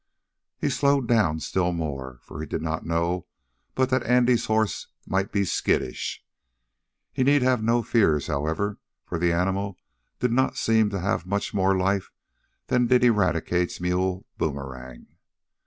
He slowed down still more, for he did not know but that Andy's horse might be skittish. He need have no fears, however, for the animal did not seem to have much more life than did Eradicate's mule, Boomerang.